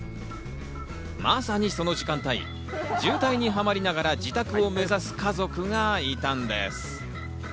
まさにその時間帯、渋滞にはまりながら自宅を目指す家族がいたんです。